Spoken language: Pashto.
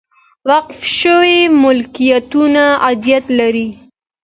وقف شوي ملکیتونه عاید لري